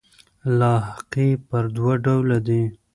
لاحقې پر دوه ډوله دي.